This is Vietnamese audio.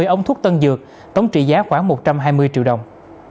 sáu trăm ba mươi ống thuốc tân dược tổng trị giá khoảng một trăm hai mươi triệu đồng